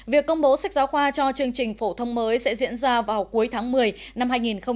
việc công bố sách giáo khoa cho chương trình phổ thông mới sẽ diễn ra vào cuối tháng một mươi năm hai nghìn hai mươi